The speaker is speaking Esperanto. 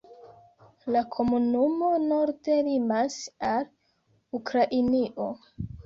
La komunumo norde limas al Ukrainio.